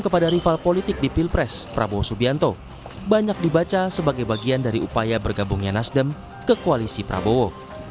kepada rival politik di pilpres prabowo subianto banyak dibaca sebagai bagian dari upaya bergabungnya nasdem ke koalisi prabowo